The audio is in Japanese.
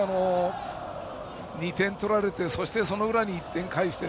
２点取られてその裏に１点返して。